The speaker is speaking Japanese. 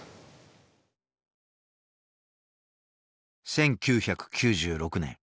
１９９６年。